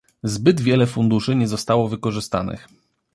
Zbyt wiele funduszy nie zostało wykorzystanych